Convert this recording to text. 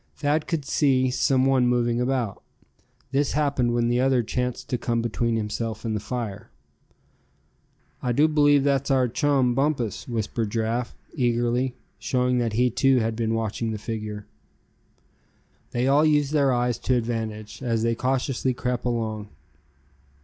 Thad could see some one moving about. This happened when the other chanced to come between himself and the fire. "I do believe that's our chum, Bumpus;" whispered Giraffe, eagerly, showing that he too had been watching the figure. They all used their eyes to advantage, as they cautiously crept along.